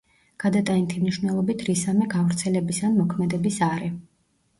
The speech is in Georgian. გადატანითი მნიშვნელობით რისამე გავრცელების ან მოქმედების არე.